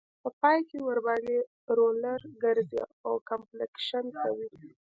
په پای کې ورباندې رولر ګرځي او کمپکشن کوي